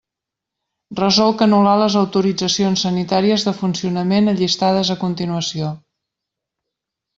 Resolc anul·lar les autoritzacions sanitàries de funcionament allistades a continuació.